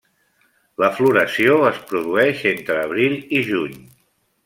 La floració es produeix entre abril i juny.